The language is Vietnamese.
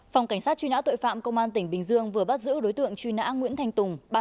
phòng cảnh sát truy nã tội phạm công an tỉnh bình dương vừa bắt giữ đối tượng truy nã nguyễn thanh tùng